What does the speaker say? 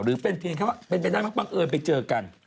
หรือเพื่อนแค่ว่าเป็นนักบังเอิญไปเจอกัน